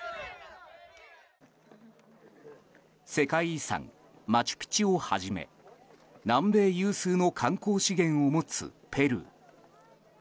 世界遺産マチュピチュをはじめ南米有数の観光資源を持つペルー。